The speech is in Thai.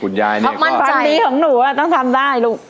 คุณยายเนี้ยก็ความดีของหนูอ่ะต้องทำได้ลูก